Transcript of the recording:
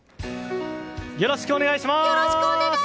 よろしくお願いします！